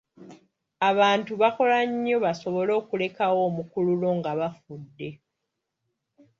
Abantu bakola nnyo basobole okulekawo omukululo nga bafudde.